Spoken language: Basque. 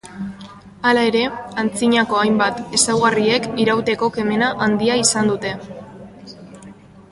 Hala ere antzinako hainbat ezaugarriek irauteko kemena handia izan dute.